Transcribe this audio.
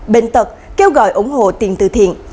bệnh tật kêu gọi ủng hộ tiền từ thiện